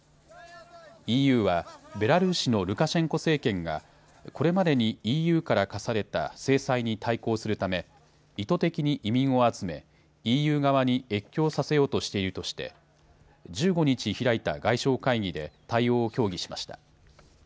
ＥＵはベラルーシのルカシェンコ政権がこれまでにＥＵから科された制裁に対抗するため意図的に移民を集めＥＵ側に越境させようとしているとして１５日開いた外相会議で対応を協議しました。